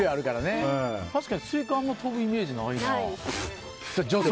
確かにスイカはあんまり飛ぶイメージないな。